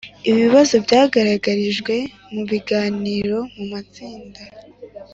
Ibibazo byagaragajwe mu biganiro mu matsinda